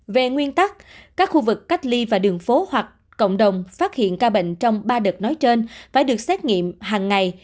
về nguyên tắc các khu vực cách ly và đường phố hoặc cộng đồng phát hiện ca bệnh trong ba đợt nói trên phải được xét nghiệm hàng ngày